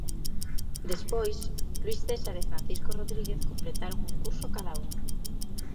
Despois, Luís César e Francisco Rodríguez completaron un curso cada un.